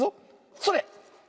それ！